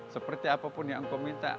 seperti apapun yang engkau minta